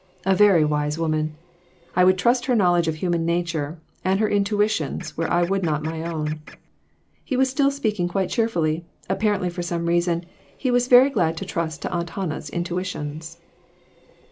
"A very wise woman. I would trust her knowledge of human nature, and her intuitions, where I would not my own." He was still speaking quite cheerfully ; apparently, for some reason, he was very glad to trust to Aunt Hannah's intuitions.